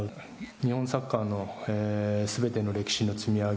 日本サッカーのすべての歴史の積み上げ。